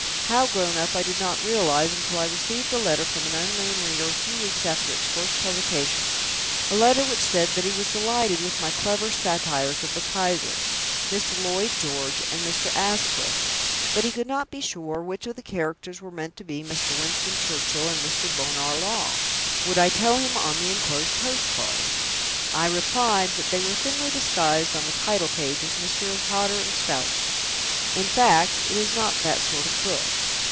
How grown up I did not realise until I received a letter from an unknown reader a few weeks after its first publication; a letter which said that he was delighted with my clever satires of the Kaiser, Mr. Lloyd George and Mr. Asquith, but he could not be sure which of the characters were meant to be Mr. Winston Churchill and Mr. Bonar Law. Would I tell him on the enclosed postcard? I replied that they were thinly disguised on the title page as Messrs. Hodder & Stoughton. In fact, it is not that sort of book.